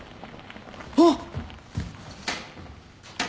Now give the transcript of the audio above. あっ！